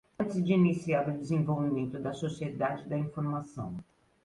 Antes de iniciar o desenvolvimento da Sociedade da Informação.